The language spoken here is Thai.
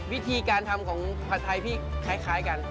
วิธีการทำของผัดไทยพี่คล้ายกัน